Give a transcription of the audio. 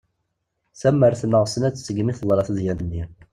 Tamert neɣ snat segmi teḍra tedyant-nni.